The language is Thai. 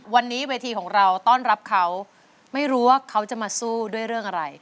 วันนี้เวทีของเราต้อนรับเขาไม่รู้ว่าเขาจะมาสู้ด้วยเรื่องอะไร